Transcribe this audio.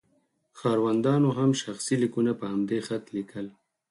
ښاروندانو هم شخصي لیکونه په همدې خط لیکل.